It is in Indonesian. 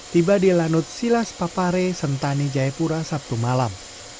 tiba di lanut silas papare sentani jayapura sabtu malam